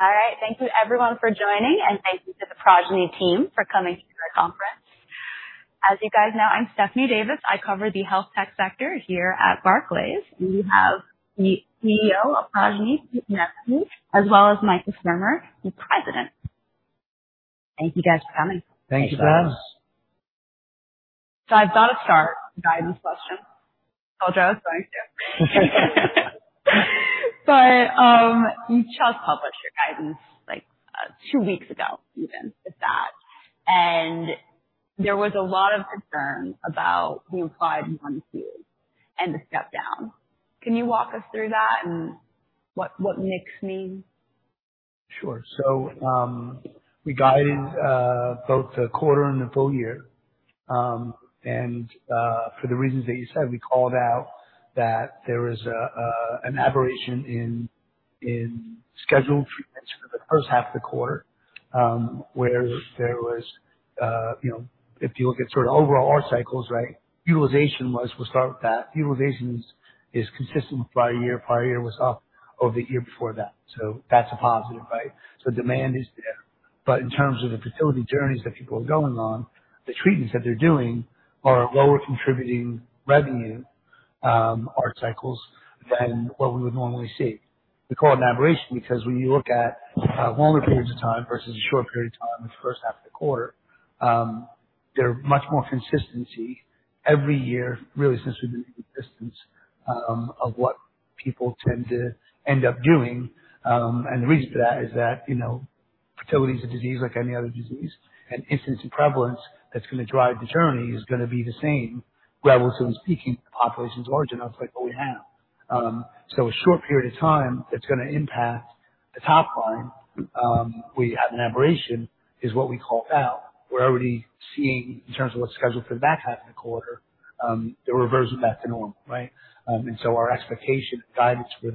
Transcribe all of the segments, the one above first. All right, thank you everyone for joining, and thank you to the Progyny team for coming to our conference. As you guys know, I'm Stephanie Davis. I cover the health tech sector here at Barclays, and we have the CEO of Progyny, Pete Anevski, as well as Michael Sturmer, the president. Thank you guys for coming. Thank you for having us. So I've got to start with the guidance question. Told you I was going to. But, you just published your guidance, like, two weeks ago, even if that. And there was a lot of concern about the decline in Q2 and the step down. Can you walk us through that and what, what mix means? Sure. So, we guided both the quarter and the full year. For the reasons that you said, we called out that there was an aberration in scheduled treatments for the first half of the quarter, where there was, you know, if you look at sort of overall ART cycles, right, utilization was. We'll start with that. Utilization is consistent with prior year. Prior year was up over the year before that. So that's a positive, right? So demand is there. But in terms of the fertility journeys that people are going on, the treatments that they're doing are lower contributing revenue ART cycles than what we would normally see. We call it an aberration, because when you look at longer periods of time versus a short period of time in the first half of the quarter, there are much more consistency every year, really, since we've been in existence, of what people tend to end up doing. And the reason for that is that, you know, fertility is a disease like any other disease, and incidence and prevalence that's going to drive the journey is going to be the same, relatively speaking, the population is large enough, like what we have. So a short period of time, that's going to impact the top line, we have an aberration, is what we called out. We're already seeing in terms of what's scheduled for the back half of the quarter, the reversal back to normal, right? So our expectation and guidance for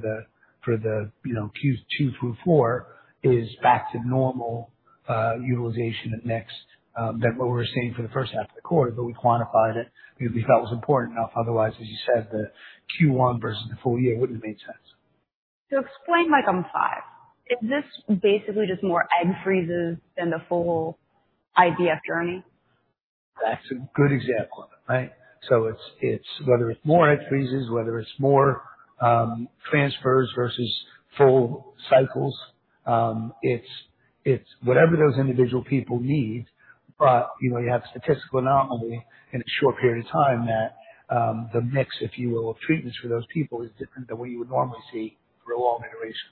the, you know, Q2 through 4 is back to normal utilization next to what we were seeing for the first half of the quarter. But we quantified it because we felt it was important. Otherwise, as you said, the Q1 versus the full year wouldn't have made sense. So explain, like, unpack. Is this basically just more egg freezes than the full IVF journey? That's a good example of it, right? So it's, it's whether it's more egg freezes, whether it's more, transfers versus full cycles, it's, it's whatever those individual people need. But, you know, you have a statistical anomaly in a short period of time that, the mix, if you will, of treatments for those people is different than what you would normally see for a long iteration.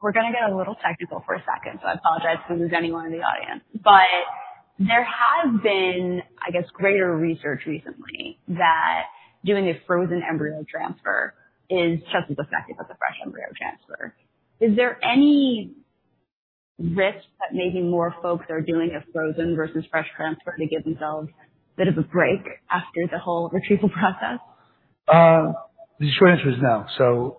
We're going to get a little technical for a second, so I apologize to anyone in the audience. But there has been, I guess, greater research recently that doing a frozen embryo transfer is just as effective as a fresh embryo transfer. Is there any risk that maybe more folks are doing a frozen versus fresh transfer to give themselves a bit of a break after the whole retrieval process? The short answer is no.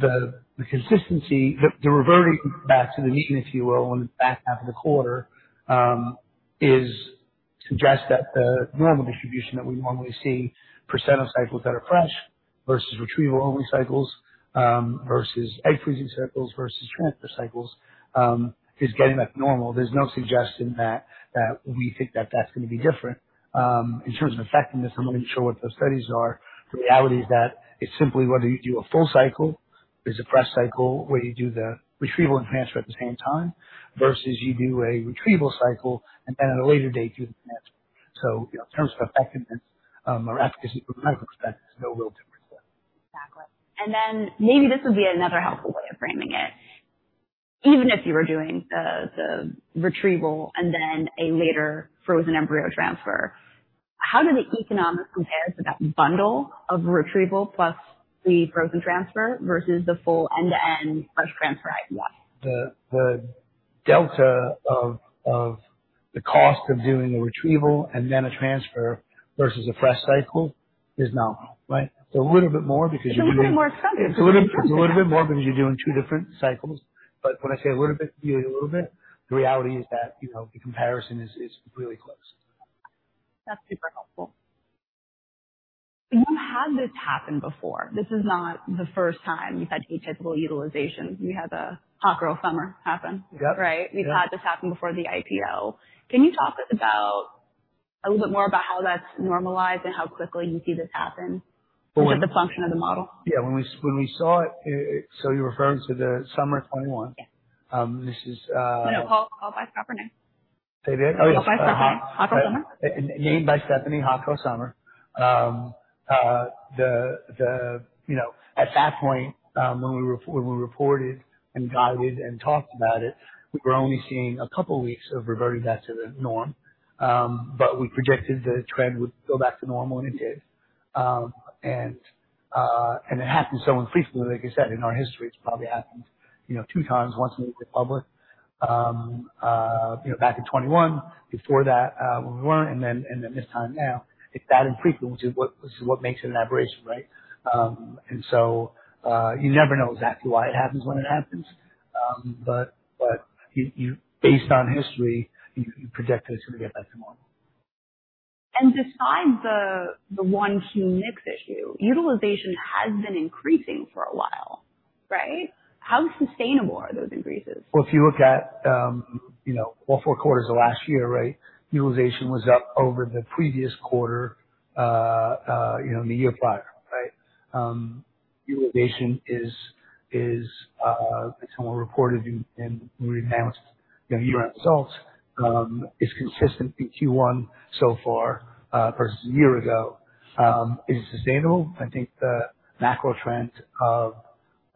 The consistency, the reverting back to the median, if you will, in the back half of the quarter, suggests that the normal distribution that we normally see for set of cycles that are fresh versus retrieval only cycles, versus egg freezing cycles versus transfer cycles, is getting back to normal. There's no suggestion that we think that that's going to be different. In terms of effectiveness, I'm not even sure what those studies are. The reality is that it's simply whether you do a full cycle, there's a fresh cycle, where you do the retrieval and transfer at the same time, versus you do a retrieval cycle and then at a later date, do the transfer. So in terms of effectiveness, or efficacy from a medical perspective, there's no real difference there. Exactly. And then maybe this would be another helpful way of framing it. Even if you were doing the retrieval and then a later frozen embryo transfer, how do the economics compare to that bundle of retrieval plus the frozen transfer versus the full end-to-end fresh transfer IVF? The delta of the cost of doing a retrieval and then a transfer versus a fresh cycle is nominal, right? So a little bit more because you- So, pretty more expensive. It's a little bit more because you're doing two different cycles. But when I say a little bit, you know, a little bit, the reality is that, you know, the comparison is really close. That's super helpful. You've had this happen before. This is not the first time you've had atypical utilization. You had the Hot Girl Summer happen. Right? Yeah. We've had this happen before the IPO. Can you talk a little about... A little bit more about how that's normalized and how quickly you see this happen with the function of the model? Yeah, when we, when we saw it, so you're referring to the summer of 2021. Yeah. This is... No, call it by its proper name. Say that? Oh, yes. Call it by its proper name. Hot Girl Summer. Named by Stephanie. Hot Girl Summer. You know, at that point, when we reported and guided and talked about it, we were only seeing a couple of weeks of reverting back to the norm. But we projected the trend would go back to normal, and it did. And it happened so infrequently, like I said, in our history, it's probably happened, you know, two times. Once when we went public, you know, back in 2021, before that, when we weren't, and then this time now. It's that infrequent, which is what, this is what makes it an aberration, right? And so, you never know exactly why it happens when it happens. But you, based on history, you project that it's going to get back to normal. ...And besides the one huge mix issue, utilization has been increasing for a while, right? How sustainable are those increases? Well, if you look at, you know, all four quarters of last year, right, utilization was up over the previous quarter, you know, the year prior, right? Utilization is, it's more reported in, in we announced, you know, year-end results, is consistent in Q1 so far, versus a year ago. Is it sustainable? I think the macro trend of,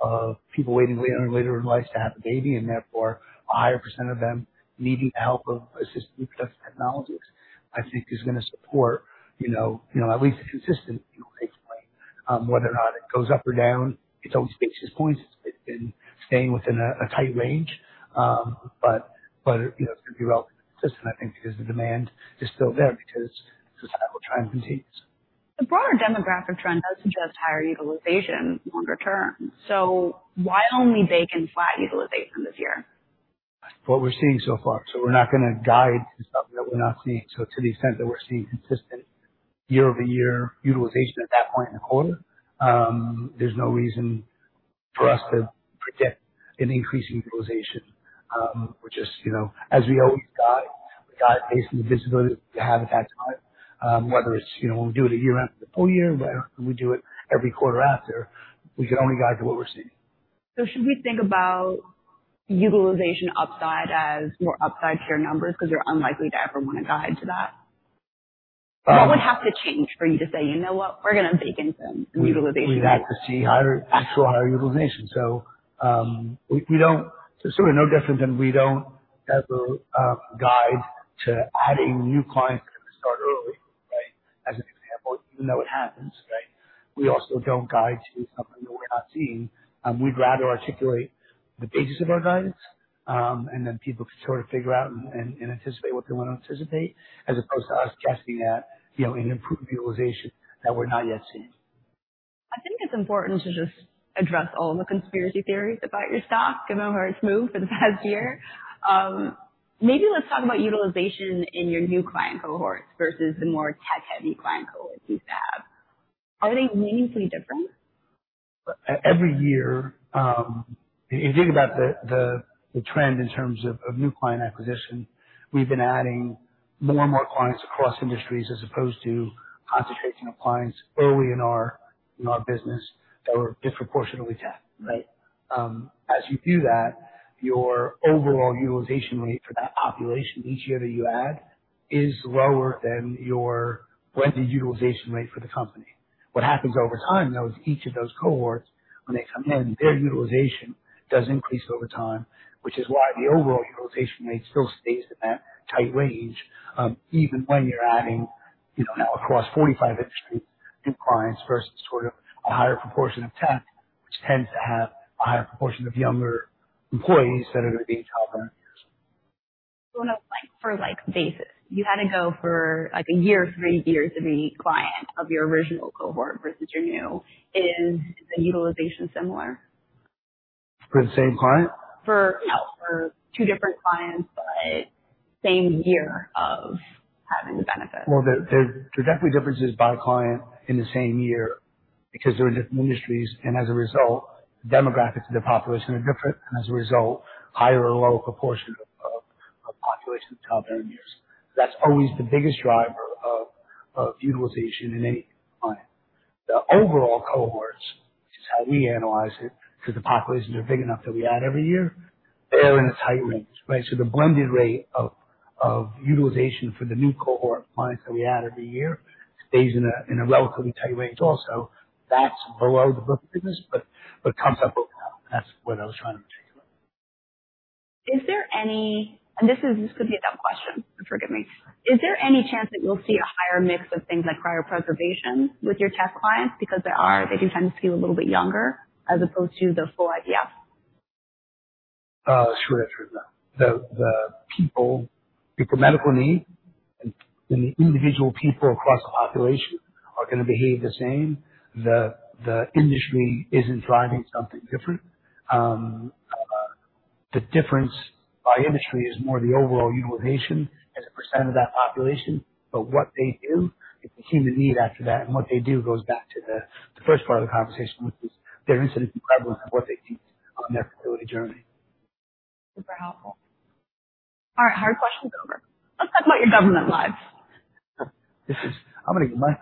of people waiting later and later in life to have a baby, and therefore a higher percent of them needing the help of assistive reproductive technologies, I think is going to support, you know, you know, at least a consistent utilization rate. Whether or not it goes up or down, it's always peaks and points. It's been staying within a tight range, but you know, it's going to be relatively consistent, I think, because the demand is still there, because societal trends continue. The broader demographic trend does suggest higher utilization longer term. Why only bake in flat utilization this year? What we're seeing so far. So we're not going to guide to something that we're not seeing. So to the extent that we're seeing consistent year-over-year utilization at that point in the quarter, there's no reason for us to predict an increase in utilization. Which is, you know, as we always guide, we guide based on the visibility we have at that time. Whether it's, you know, we do it a year after the full year, but we do it every quarter after. We can only guide to what we're seeing. So should we think about utilization upside as more upside to your numbers because you're unlikely to ever want to guide to that? What would have to change for you to say, "You know what? We're going to bake in some utilization. We'd have to see higher, actual higher utilization. So, we don't. It's really no different than we don't ever guide to adding new clients that start early, right? As an example, even though it happens, right, we also don't guide to something that we're not seeing. We'd rather articulate the basis of our guidance, and then people can sort of figure out and anticipate what they want to anticipate, as opposed to us guessing at, you know, an improved utilization that we're not yet seeing. I think it's important to just address all the conspiracy theories about your stock, given how it's moved for the past year. Maybe let's talk about utilization in your new client cohorts versus the more tech-heavy client cohorts you've had. Are they meaningfully different? Every year, if you think about the trend in terms of new client acquisition, we've been adding more and more clients across industries, as opposed to concentrating on clients early in our business that were disproportionately tech, right? As you do that, your overall utilization rate for that population, each year that you add, is lower than your blended utilization rate for the company. What happens over time, though, is each of those cohorts, when they come in, their utilization does increase over time, which is why the overall utilization rate still stays in that tight range, even when you're adding, you know, now across 45 industries, new clients versus sort of a higher proportion of tech, which tends to have a higher proportion of younger employees that are going to be top earners. On a like-for-like basis, you had to go for like a year, three years of a client of your original cohort versus your new. Is the utilization similar? For the same client? You know, for two different clients, but same year of having the benefit. Well, there are definitely differences by client in the same year because they're in different industries and as a result, the demographics of the population are different, and as a result, higher or lower proportion of population of top earners. That's always the biggest driver of utilization in any client. The overall cohorts, which is how we analyze it, because the populations are big enough that we add every year, they're in a tight range, right? So the blended rate of utilization for the new cohort of clients that we add every year stays in a relatively tight range also. That's below the book business, but comes up with that. That's what I was trying to communicate. Is there any... And this is, this could be a dumb question, but forgive me. Is there any chance that you'll see a higher mix of things like cryopreservation with your tech clients? Because there are, they do tend to skew a little bit younger as opposed to the full IVF. Short answer is no. The people with the medical need and the individual people across the population are going to behave the same. The industry isn't driving something different. The difference by industry is more the overall utilization as a % of that population. But what they do, it's a human need after that, and what they do goes back to the first part of the conversation, which is their incidence and prevalence of what they do on their fertility journey. Super helpful. All right, hard questions over. Let's talk about your government clients. This is... I'm going to get my-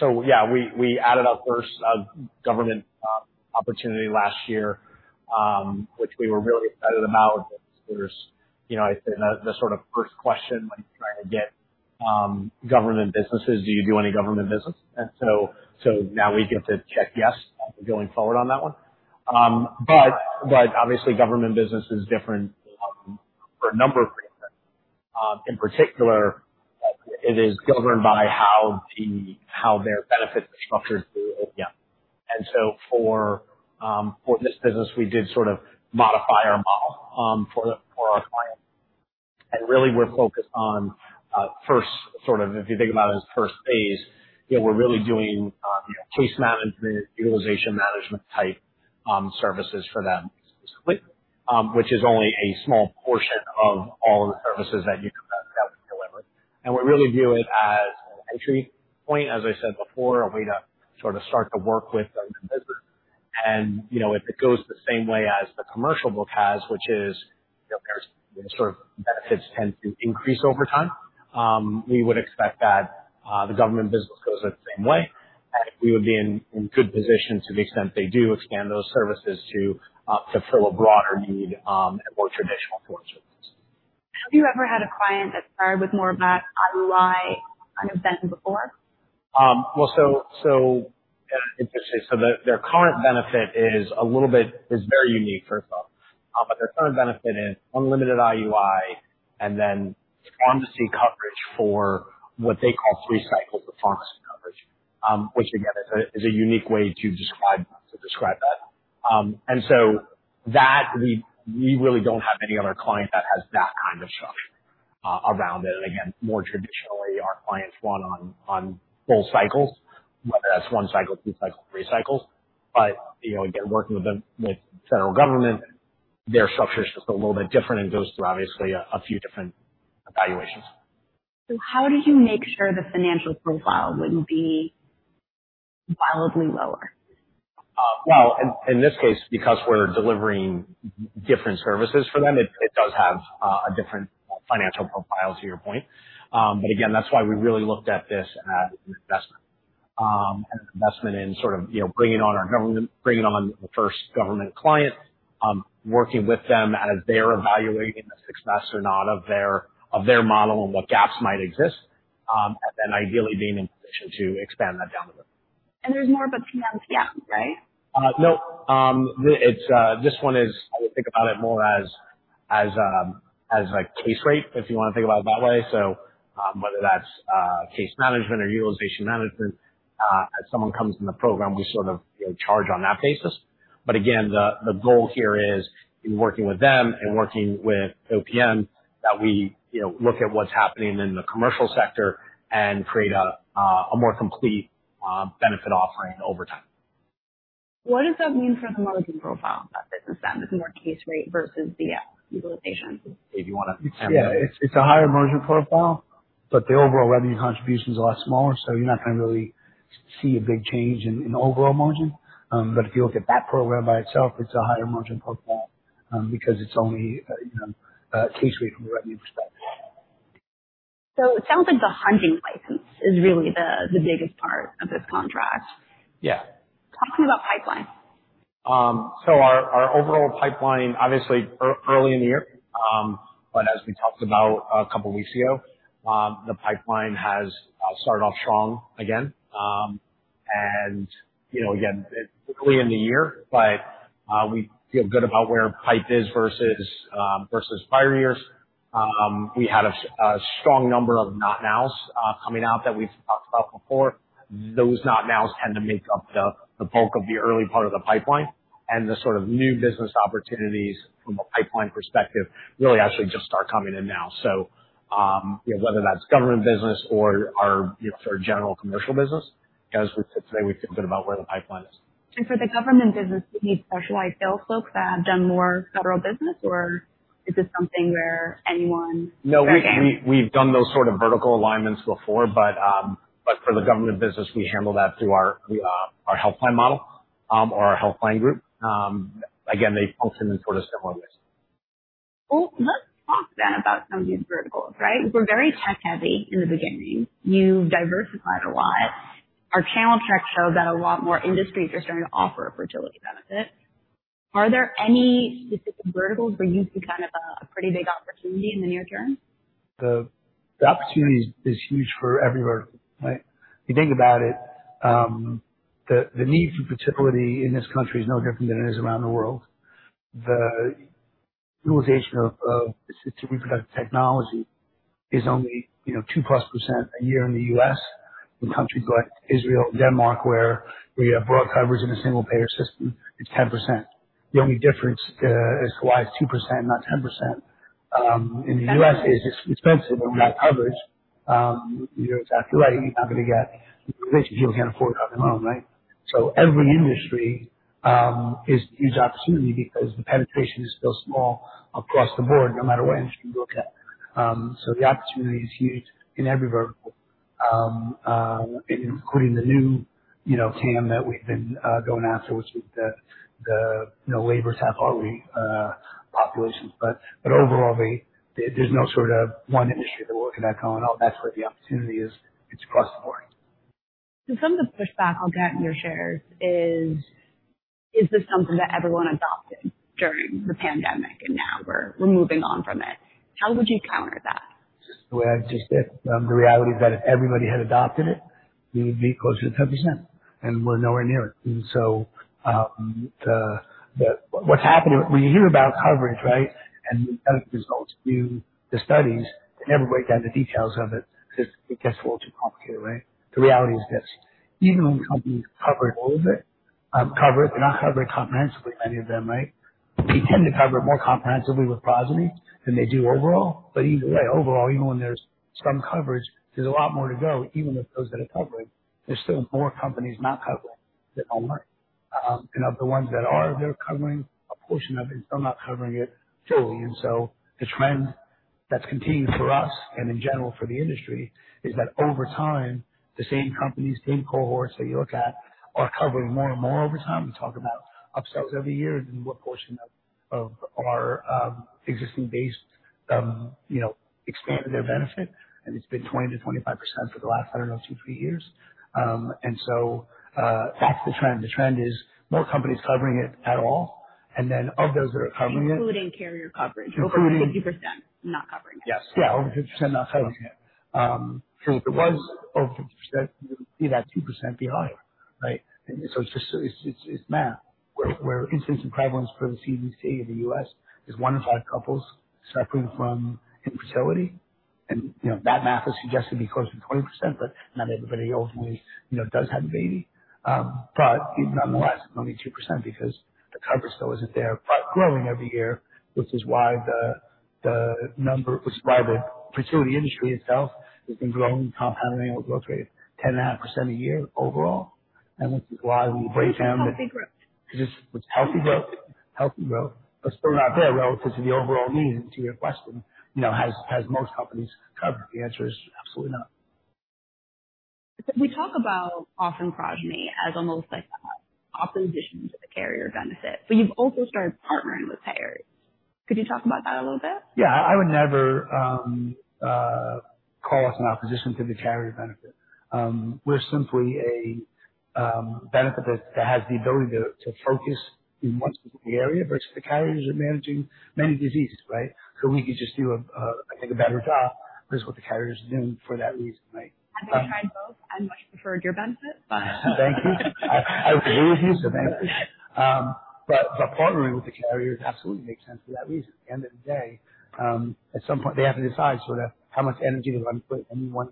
So yeah, we added our first government opportunity last year, which we were really excited about. There's you know, the sort of first question when you're trying to get government businesses: Do you do any government business? And so now we get to check yes, going forward on that one. But obviously government business is different for a number of reasons. In particular, it is governed by how their benefits are structured through Aetna. And so for this business, we did sort of modify our model for our client. And really we're focused on first, sort of if you think about it as first phase, you know, we're really doing you know, case management, utilization management type-... Services for them specifically, which is only a small portion of all of the services that you can have delivered. And we really view it as an entry point, as I said before, a way to sort of start to work with them in business. And, you know, if it goes the same way as the commercial book has, which is, you know, there's sort of benefits tend to increase over time, we would expect that, the government business goes the same way. And we would be in good position to the extent they do expand those services to, fulfill a broader need, and more traditional. Have you ever had a client that started with more of an IUI benefit before? Well, so interesting. So their current benefit is a little bit... is very unique, first of all. But their current benefit is unlimited IUI and then pharmacy coverage for what they call three cycles of pharmacy coverage, which again, is a unique way to describe that. And so we really don't have any other client that has that kind of structure around it. And again, more traditionally, our clients run on full cycles, whether that's one cycle, two cycle, three cycles. But, you know, again, working with the federal government, their structure is just a little bit different and goes through obviously a few different evaluations. How did you make sure the financial profile wouldn't be wildly lower? Well, in this case, because we're delivering different services for them, it does have a different financial profile, to your point. But again, that's why we really looked at this as an investment, as an investment in sort of, you know, bringing on our government, bringing on the first government client, working with them as they're evaluating the success or not of their model and what gaps might exist, and then ideally being in position to expand that down the road. There's more of a PMPM pay, right? No. It's this one, I would think about it more as like case rate, if you want to think about it that way. So, whether that's case management or utilization management, as someone comes in the program, we sort of, you know, charge on that basis. But again, the goal here is in working with them and working with OPM, that we, you know, look at what's happening in the commercial sector and create a more complete benefit offering over time. What does that mean for the margin profile of this business, then? It's more case rate versus the utilization. If you want to- Yeah. It's, it's a higher margin profile, but the overall revenue contribution is a lot smaller, so you're not going to really see a big change in, in the overall margin. But if you look at that program by itself, it's a higher margin profile, because it's only, you know, a case rate from a revenue perspective. It sounds like the hunting license is really the biggest part of this contract. Yeah. Talk to me about pipeline. So our overall pipeline, obviously early in the year. But as we talked about a couple of weeks ago, the pipeline has started off strong again. And you know, again early in the year, but we feel good about where the pipeline is versus prior years. We had a strong number of not nows coming out that we've talked about before. Those not nows tend to make up the bulk of the early part of the pipeline and the sort of new business opportunities from a pipeline perspective really actually just start coming in now. So you know, whether that's government business or our general commercial business, as we said today, we feel good about where the pipeline is. For the government business, do you need specialized sales folks that have done more federal business, or is this something where anyone? No, we've done those sort of vertical alignments before, but for the government business, we handle that through our health plan model or our health plan group. Again, they've helped in sort of similar ways. Well, let's talk then about some of these verticals, right? We're very tech heavy in the beginning. You've diversified a lot. Our channel check showed that a lot more industries are starting to offer fertility benefits. Are there any specific verticals where you see kind of a pretty big opportunity in the near term? The opportunity is huge for every vertical, right? If you think about it, the need for fertility in this country is no different than it is around the world. The utilization of assistive reproductive technology is only, you know, 2%+ a year in the U.S. In countries like Israel, Denmark, where we have broad coverage in a single payer system, it's 10%. The only difference as to why it's 2%, not 10%, in the U.S., is it's expensive and not coverage. You're exactly right. You're not going to get patients who can't afford to have them on, right? So every industry is a huge opportunity because the penetration is still small across the board, no matter what industry you look at. So the opportunity is huge in every vertical, including the new, you know, TAM that we've been going after, which is the, the, you know, labor, staff, hourly populations. But overall, there's no sort of one industry that we're looking at and going, "Oh, that's where the opportunity is." It's across the board. So some of the pushback I'll get in your shares is, is this something that everyone adopted during the pandemic, and now we're, we're moving on from it. How would you counter that? Well, I just did. The reality is that if everybody had adopted it, we would be closer to 10%, and we're nowhere near it. And so, the, what's happening when you hear about coverage, right, and the results, you, the studies, they never break down the details of it because it gets a little too complicated, right? The reality is this, even when companies cover all of it, cover it, they're not covering it comprehensively, many of them, right? We tend to cover it more comprehensively with Progyny than they do overall. But either way, overall, even when there's some coverage, there's a lot more to go even if those that are covering, there's still more companies not covering it at all. And of the ones that are, they're covering a portion of it, still not covering it fully. And so the trend that's continued for us, and in general for the industry, is that over time, the same companies, same cohorts that you look at, are covering more and more over time. We talk about upsells every year and what portion of our existing base, you know, expanding their benefit, and it's been 20%-25% for the last, I don't know, 2-3 years. And so, that's the trend. The trend is more companies covering it at all, and then of those that are covering it- Including carrier coverage. Including- Over 50% not covering it. Yes. Yeah, over 50% not covering it. So if it was over 50%, you would see that 2% be higher, right? And so it's just, it's math, where incidence and prevalence for the CDC in the U.S. is 1 in 5 couples suffering from infertility. And, you know, that math is suggested to be closer to 20%, but not everybody ultimately, you know, does have a baby. But nonetheless, only 2% because the coverage still isn't there, but growing every year, which is why the number... Which is why the fertility industry itself has been growing, compounding with growth rate 10.5% a year overall. And which is why we break down the- Healthy growth. Because it's healthy growth. Healthy growth, but still not there relative to the overall need. To your question, you know, has most companies covered? The answer is absolutely not. We talk about often Progyny as almost like opposition to the carrier benefit, but you've also started partnering with carriers. Could you talk about that a little bit? Yeah. I would never call us an opposition to the carrier benefit. We're simply a benefit that has the ability to focus in one specific area versus the carriers are managing many diseases, right? So we could just do a I think a better job than what the carrier is doing for that reason, right? I've tried both. I much preferred your benefit. Thank you. I, I agree with you. But, but partnering with the carriers absolutely makes sense for that reason. At the end of the day, at some point, they have to decide sort of how much energy to put in one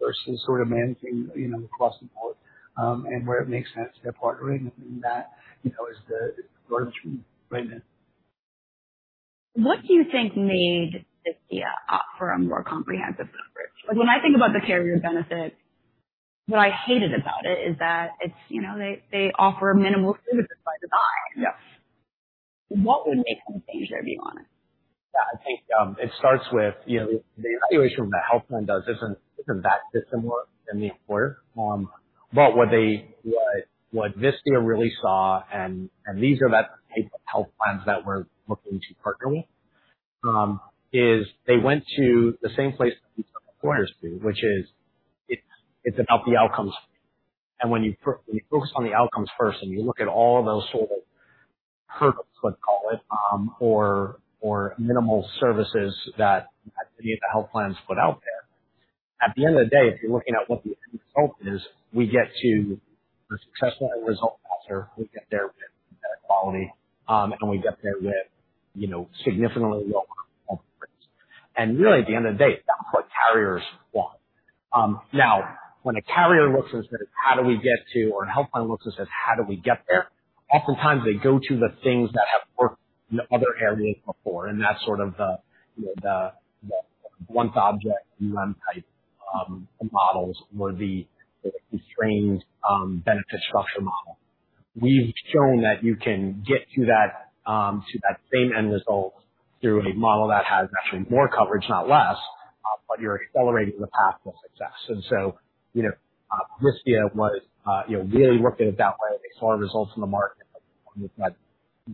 versus sort of managing, you know, across the board, and where it makes sense to partnering, and that, you know, is the road right now. What do you think made Vistia opt for a more comprehensive coverage? Like, when I think about the carrier benefit, what I hated about it is that it's, you know, they, they offer minimal services by design. Yes. What would make them change their view on it? Yeah, I think it starts with, you know, the evaluation that the health plan does isn't that dissimilar than the employer. But what they, what Vistia really saw and these are the type of health plans that we're looking to partner with is they went to the same place that employers do, which is it's about the outcomes. And when you focus on the outcomes first, and you look at all of those sort of hurdles, let's call it, or minimal services that the health plans put out there. At the end of the day, if you're looking at what the end result is, we get to the successful end result faster. We get there with better quality and we get there with, you know, significantly lower costs. And really, at the end of the day, that's what carriers want. Now, when a carrier looks and says, "How do we get to..." or a health plan looks and says, "How do we get there?" Oftentimes they go to the things that have worked in other areas before, and that's sort of the one-size-fits-all UM type models or the constrained benefit structure model. We've shown that you can get to that to that same end result through a model that has actually more coverage, not less, but you're accelerating the path to success. And so, you know, Vistia was, you know, really looking at it that way. They saw our results in the market, but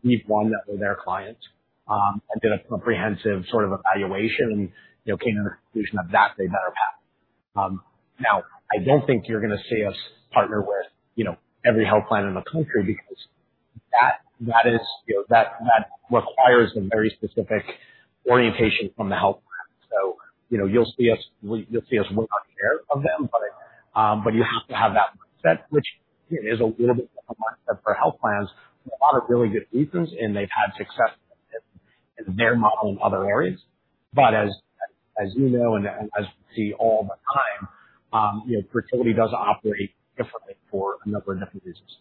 we've won with their clients, and did a comprehensive sort of evaluation and, you know, came to the conclusion that that's a better path. Now, I don't think you're going to see us partner with, you know, every health plan in the country because that is, you know, that requires a very specific orientation from the health plan. So, you know, you'll see us, you'll see us work on Carelon, but, but you have to have that mindset, which is a little bit of a mindset for health plans for a lot of really good reasons, and they've had success in their model in other areas. But as you know, and as you see all the time, you know, fertility does operate differently for a number of different reasons.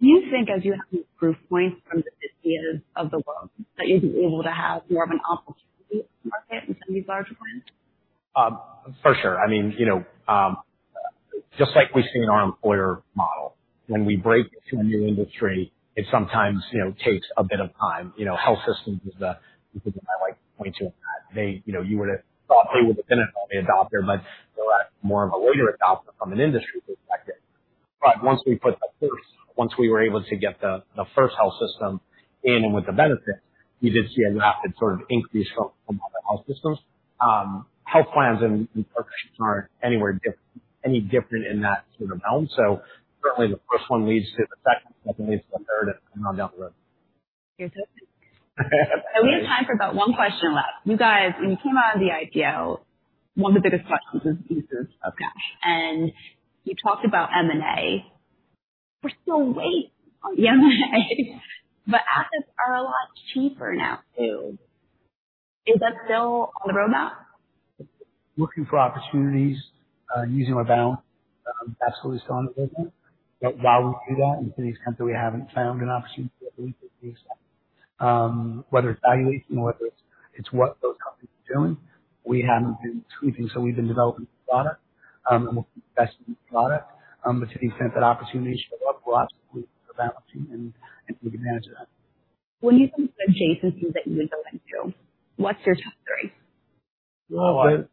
Do you think as you have proof points from the Vistias of the world, that you'll be able to have more of an opportunity in the market with some of these larger plans? For sure. I mean, you know, just like we see in our employer model, when we break into a new industry, it sometimes, you know, takes a bit of time. You know, health systems is the, I like to point to that. They, you know, you would have thought they would have been an early adopter, but they're more of a later adopter from an industry perspective. But once we put the first, once we were able to get the, the first health system in and with the benefit, you did see a rapid sort of increase from, from other health systems. Health plans and partnerships aren't anywhere any different in that sort of realm. So certainly, the first one leads to the second, second leads to the third, and on down the road. We have time for about one question left. You guys, when you came out of the IPO, one of the biggest questions is use of cash, and you talked about M&A. We're still waiting on the M&A, but assets are a lot cheaper now, too. Is that still on the roadmap? Looking for opportunities using our balance, absolutely still on the table. But while we do that, to the extent that we haven't found an opportunity, whether it's valuation or what those companies are doing, we haven't been tweaking, so we've been developing product and we'll invest in product. But to the extent that opportunities show up, we're absolutely balancing and we can manage that. When you think of adjacencies that you would build into, what's your top three? Well,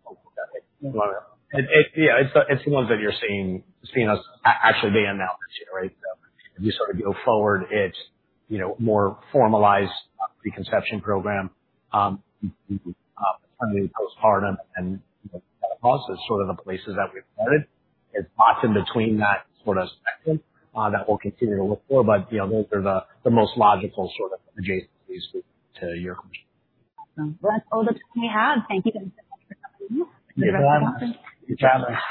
yeah, it's the ones that you're seeing us actually being announced, right? So as you sort of go forward, it's, you know, more formalized preconception program. Postpartum and menopause is sort of the places that we've started. It's lots in between that sort of spectrum that we'll continue to look for, but, you know, those are the most logical sort of adjacencies to your question. Awesome. Well, that's all the time we have. Thank you guys so much for coming. Thanks, everyone. Good job.